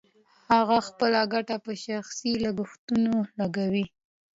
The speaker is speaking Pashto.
هغه خپله ګټه په شخصي لګښتونو لګوي